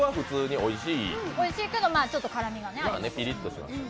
おいしいけどちょっと辛みがありますね。